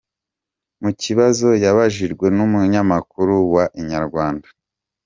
Mu kibazo yabajijwe n’umunyamakuru wa Inyarwanda.